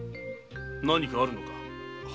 何かあるのか？